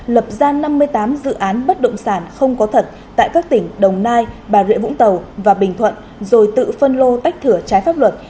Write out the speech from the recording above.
lập ra năm mươi tám dự án bất động sản không có thật tại các tỉnh đồng nai bà rịa vũng tàu và bình thuận rồi tự phân lô tách thửa trái pháp luật